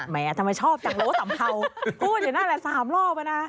แม่ทำไมชอบจังโลสัมเภาพูดอย่างนั้นแหละ๓รอบอ่ะนะ